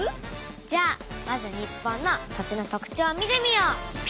じゃあまず日本の土地の特徴を見てみよう！